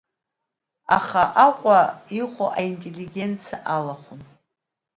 Аха Аҟәа иҟоу аинеллигенциа алахәын.